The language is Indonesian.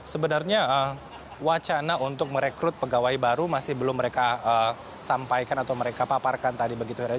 sebenarnya wacana untuk merekrut pegawai baru masih belum mereka sampaikan atau mereka paparkan tadi begitu hera